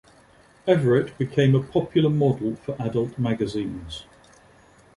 Everett became a popular model for adult magazines.